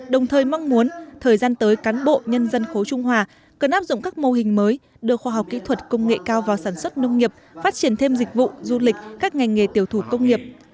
đồng thời mong muốn thời gian tới cán bộ nhân dân khối trung hòa cần áp dụng các mô hình mới đưa khoa học kỹ thuật công nghệ cao vào sản xuất nông nghiệp phát triển thêm dịch vụ du lịch các ngành nghề tiểu thủ công nghiệp